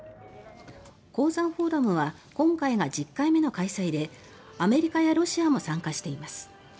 香山フォーラムは今回が１０回目の開催でアメリカやロシアも参加しています。